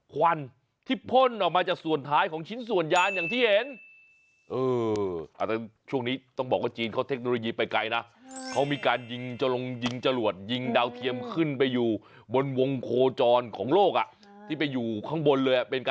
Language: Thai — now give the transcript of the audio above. ควันที่พ่นออกมาจากส่วนท้ายของชิ้นส่วนยานอย่างที่เห็น